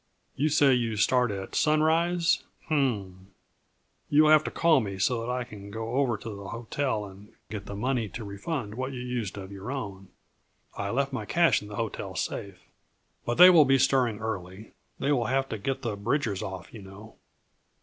"You say you start at sunrise? H m m! You will have to call me so that I can go over to the hotel and get the money to refund what you used of your own. I left my cash in the hotel safe. But they will be stirring early they will have to get the Bridgers off, you know."